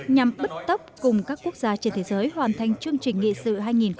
nhằm bứt tốc cùng các quốc gia trên thế giới hoàn thành chương trình nghị sự hai nghìn ba mươi